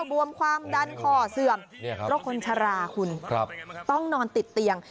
บวมความดันคอเสื่อมโรคคนชราคุณครับต้องนอนติดเตียง